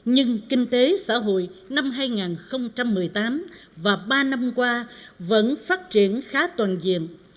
nhưng kinh tế xã hội năm hai nghìn một mươi tám và ba năm qua vẫn phát triển khá toàn diện